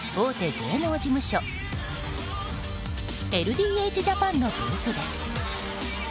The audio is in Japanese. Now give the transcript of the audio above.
芸能事務所ＬＤＨジャパンのブースです。